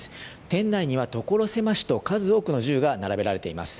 店内には所狭しと数多くの銃が並べられています。